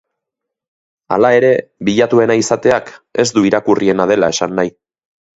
Hala ere, bilatuena izateak ez du irakurriena dela esan nahi.